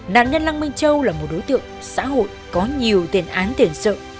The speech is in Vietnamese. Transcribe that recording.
nạn nhân lăng minh châu là một đối tượng xã hội có nhiều tiền án tiền sự